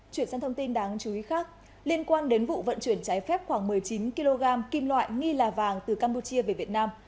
chuyển sang thông tin đáng chú ý khác liên quan đến vụ vận chuyển trái phép khoảng một mươi chín kg kim loại nghi là vàng từ campuchia về việt nam